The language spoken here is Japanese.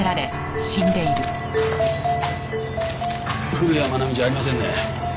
古谷愛美じゃありませんね。